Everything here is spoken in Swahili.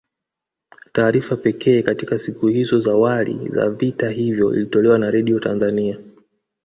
Taarifa pekee katika siku hizo za wali za vita hivyo ilitolewa na Redio Tanzania